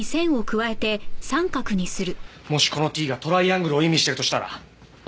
もしこのＴがトライアングルを意味してるとしたら。